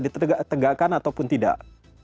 ditegakkan ataupun tidak